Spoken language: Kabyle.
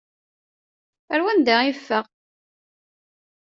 Ar wanda i yeffeɣ?